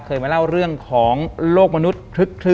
เคยมาเล่าเรื่องของโลกมนุษย์คลึก